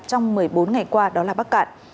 trong một mươi bốn ngày qua đó là bắc cạn